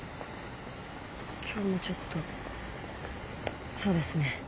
今日もちょっとそうですね。